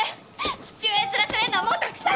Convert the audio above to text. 父親面されるのはもうたくさん！